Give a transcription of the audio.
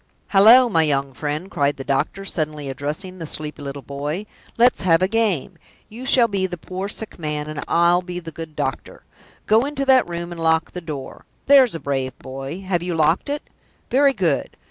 Hallo, my young friend!" cried the doctor, suddenly addressing the sleepy little boy. "Let's have a game. You shall be the poor sick man, and I'll be the good doctor. Go into that room and lock the door. There's a brave boy! Have you locked it? Very good!